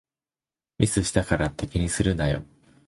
ミスしたからって気にするなよ